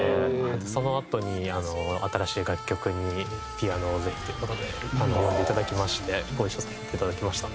そのあとに新しい楽曲にピアノをぜひっていう事で呼んでいただきましてご一緒させていただきました。